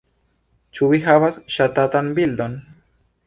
Ĉu vi havas ŝatatan bildon?